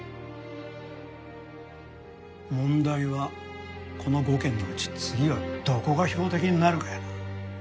問題はこの５軒のうち次はどこが標的になるかやな。